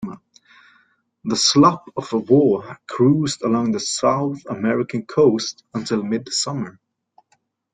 The sloop-of-war cruised along the South American coast until mid-summer.